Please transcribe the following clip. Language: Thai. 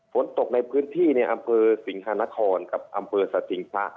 ฝนตกในพื้นที่เนี่ยอำเภอสิงหานครกับอำเภอสัตว์สิงห์ฟะ